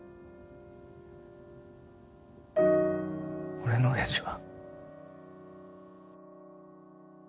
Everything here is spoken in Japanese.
俺の親父は。